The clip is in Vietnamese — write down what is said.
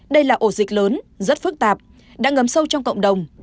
đây là ổ dịch lớn rất phức tạp đã ngấm sâu trong cộng đồng